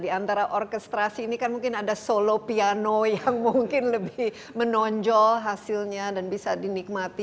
di antara orkestrasi ini kan mungkin ada solo piano yang mungkin lebih menonjol hasilnya dan bisa dinikmati